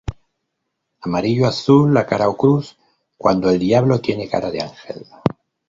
Amarillo azul, a cara o cruz, cuando el diablo tiene cara de ángel.